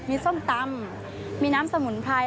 มีส้มตำมีน้ำสมุนไพร